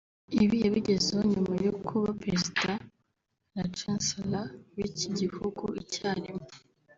ibi yabigezeho nyuma yo kuba Perezida na Chancellor w’iki gihugu icyarimwe